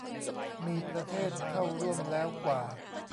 มีประเทศเข้าร่วมแล้วกว่า